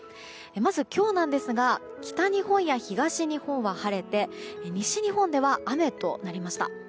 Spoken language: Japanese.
まず、今日なんですが北日本や東日本は晴れて西日本では雨となりました。